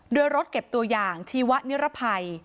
โดยรถเก็บตัวอย่างชีวะนิรภัย